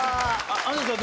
安藤さん